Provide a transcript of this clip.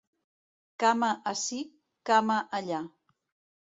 Cama ací, cama allà.